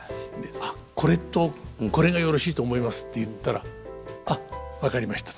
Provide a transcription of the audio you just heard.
「あっこれとこれがよろしいと思います」って言ったら「あっ分かりました。